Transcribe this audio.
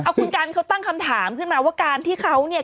คุณกันเขาตั้งคำถามขึ้นมาว่าการที่เขาเนี่ย